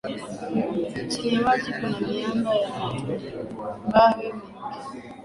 Chini ya maji kuna miamba ya matumbawe mengi